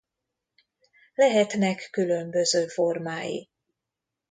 Lehetnek különböző formái.